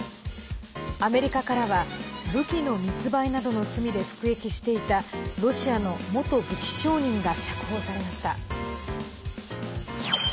アメリカからは武器の密売などの罪で服役していたロシアの元武器商人が釈放されました。